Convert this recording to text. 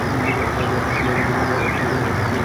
শুনিলেই মনে হয়, উহা অত্যন্ত অযৌক্তিক।